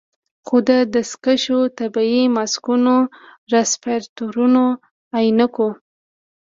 خو د دستکشو، طبي ماسکونو، رسپايرتورونو، عينکو